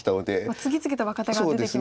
次々と若手が出てきますよね。